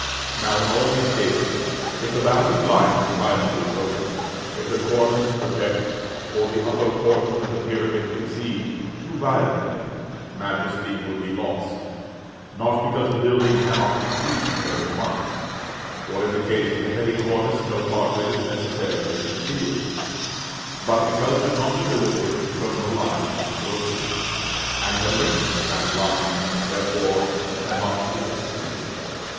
Now, in all these cases, if the bounding line be violently broken; if the cornice project, or the upper portion of the pyramid recede, too violently, majesty will be lost; not because the building cannot be seen all at once, for in the case of a heavy cornice no part of it is necessarily concealed but because the continuity of its terminal line is broken, and the length of that line, therefore, cannot be estimated.